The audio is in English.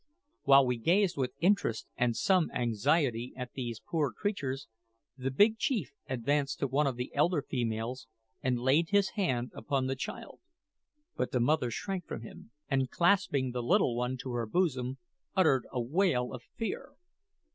While we gazed with interest and some anxiety at these poor creatures, the big chief advanced to one of the elder females and laid his hand upon the child. But the mother shrank from him, and clasping the little one to her bosom, uttered a wail of fear.